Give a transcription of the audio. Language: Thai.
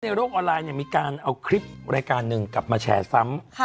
โลกออนไลน์มีการเอาคลิปรายการหนึ่งกลับมาแชร์ซ้ำ